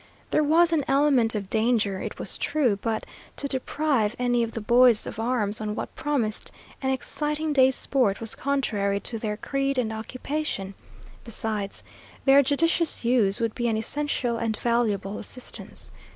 There was an element of danger, it was true, but to deprive any of the boys of arms on what promised an exciting day's sport was contrary to their creed and occupation; besides, their judicious use would be an essential and valuable assistance.